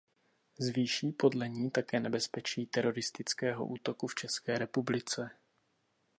Zvýší podle ní také nebezpečí teroristického útoku v České republice.